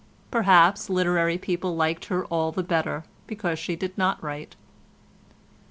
Perhaps literary people liked her all the better because she did not write.